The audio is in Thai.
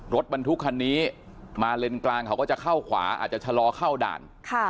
รถบรรทุกคันนี้มาเลนกลางเขาก็จะเข้าขวาอาจจะชะลอเข้าด่าน